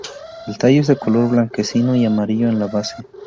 El tallo es de color blanquecino y amarillo en la base.